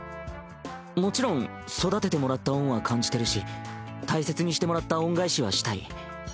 もちろん育ててもらった恩は感じてるし大切にしてもらった恩返しはしたい。